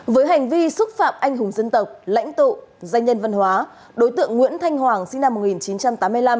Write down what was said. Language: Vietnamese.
với hành vi xúc phạm anh hùng dân tộc lãnh tụ danh nhân văn hóa đối tượng nguyễn thanh hoàng sinh năm một nghìn chín trăm tám mươi năm